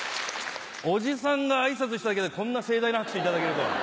おじさんが挨拶しただけでこんな盛大な拍手頂けるとは。